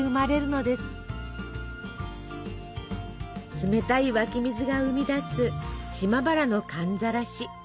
冷たい湧き水が生み出す島原の寒ざらし。